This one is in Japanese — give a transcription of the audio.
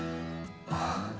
ああ。